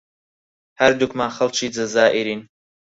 هەردووکمان خەڵکی جەزائیرین.